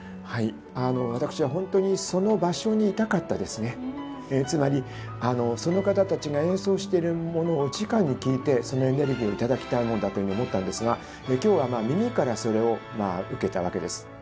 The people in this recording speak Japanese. はい私はホントにその場所にいたかったですねつまりその方たちが演奏しているものをじかに聴いてそのエネルギーをいただきたいもんだというふうに思ったんですが今日はまあ耳からそれを受けたわけです